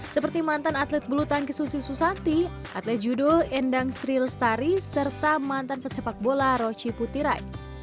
seperti mantan atlet bulu tangki susi susanti atlet judul endang sri lestari serta mantan pesepak bola rochi putirai